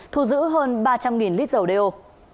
thu giữ hơn ba trăm linh lít dầu đeo